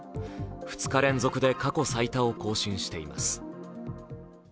２日連続で過去最多を更新しています。